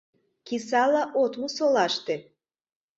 Кисала от му солаште.